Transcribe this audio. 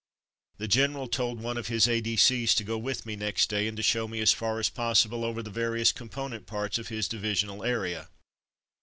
The general told one of his A.D.C.'s to go with me next day, and to show me as far as possible over the various component parts of his divisional area.